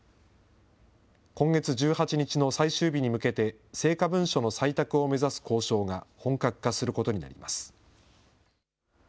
今月１８日の最終日に向けて、成果文書の採択を目指す交渉が本格化することになります。